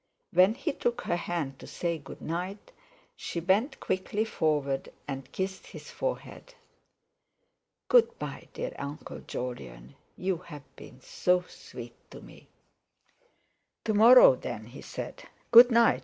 When he took her hand to say good night, she bent quickly forward and kissed his forehead. "Good bye, dear Uncle Jolyon, you have been so sweet to me." "To morrow then," he said. "Good night.